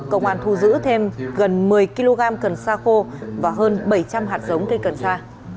công an thu giữ thêm gần một mươi kg cần sa khô và hơn bảy trăm linh hạt giống cây cần sa